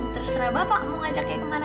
terserah bapak mau ngajaknya kemana